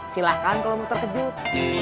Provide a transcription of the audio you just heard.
silahkan kalau mau terkejut